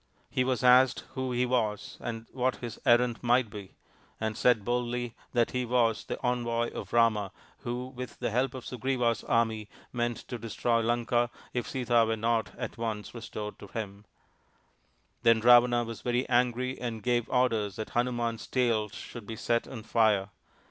He was asked who he was and what his errand might be, and said boldly that he was the envoy of Rama, who, with the help of Sugriva's army, meant to destroy Lanka if Sita were not at once restored to him* Then Ravana was very angry and gave 38 THE INDIAN STORY BOOK orders that Hanuman's tail should be set on fire.